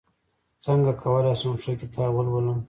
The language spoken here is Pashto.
څنګه کولی شم ښه کتاب ولولم